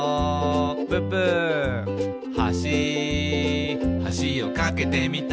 「はしはしを架けてみた」